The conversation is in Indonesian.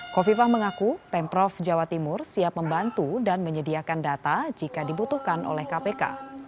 kofifah mengaku pemprov jawa timur siap membantu dan menyediakan data jika dibutuhkan oleh kpk